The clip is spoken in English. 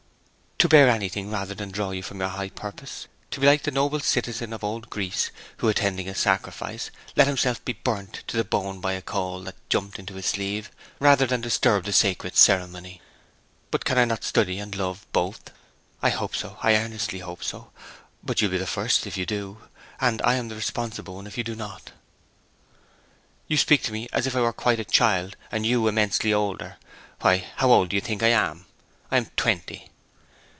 'To bear anything rather than draw you from your high purpose; to be like the noble citizen of old Greece, who, attending a sacrifice, let himself be burnt to the bone by a coal that jumped into his sleeve rather than disturb the sacred ceremony.' 'But can I not study and love both?' 'I hope so, I earnestly hope so. But you'll be the first if you do, and I am the responsible one if you do not.' 'You speak as if I were quite a child, and you immensely older. Why, how old do you think I am? I am twenty.'